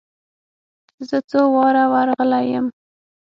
زه څو واره ور رغلى يم.